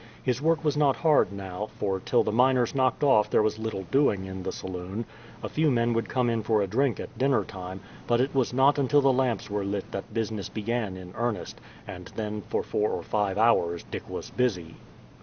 His work was not hard now, for till the miners knocked off there was little doing in the saloon; a few men would come in for a drink at dinnertime, but it was not until the lamps were lit that business began in earnest, and then for four or five hours Dick was busy.